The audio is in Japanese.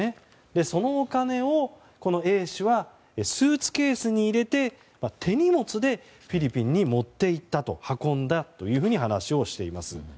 そのお金をＡ氏はスーツケースに入れて手荷物でフィリピンに持って行って運んだと話をしています。